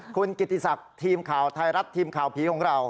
คุณกิติศักดิ์ทีมข่าวไทยรัฐทีมข่าวผีของเรา